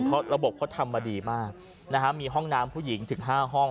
เพราะระบบเขาทำมาดีมากนะฮะมีห้องน้ำผู้หญิงถึง๕ห้อง